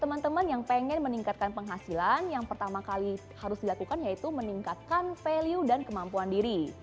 teman teman yang pengen meningkatkan penghasilan yang pertama kali harus dilakukan yaitu meningkatkan value dan kemampuan diri